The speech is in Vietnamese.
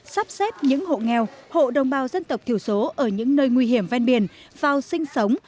sắp xếp những hộ nghèo hộ đồng bào dân tộc thiểu số ở những nơi nguy hiểm ven biển vào sinh sống